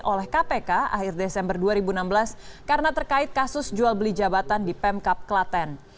oleh kpk akhir desember dua ribu enam belas karena terkait kasus jual beli jabatan di pemkap klaten